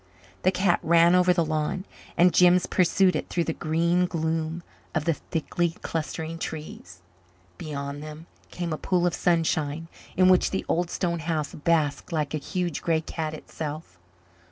The cat ran over the lawn and Jims pursued it through the green gloom of the thickly clustering trees. Beyond them came a pool of sunshine in which the old stone house basked like a huge grey cat itself.